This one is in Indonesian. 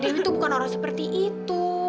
teh dewi tuh bukan orang seperti itu